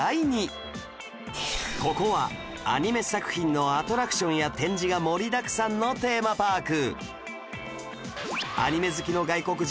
ここはアニメ作品のアトラクションや展示が盛りだくさんのテーマパーク